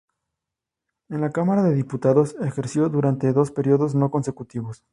En la Cámara de Diputados ejerció durante dos periodos no consecutivos.